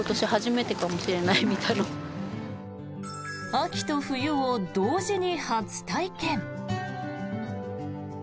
秋と冬を同時に初体験。